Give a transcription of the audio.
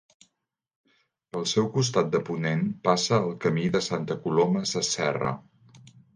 Pel seu costat de ponent passa el Camí de Santa Coloma Sasserra.